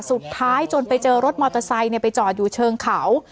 จนไปเจอรถมอเตอร์ไซค์ไปจอดอยู่เชิงเขา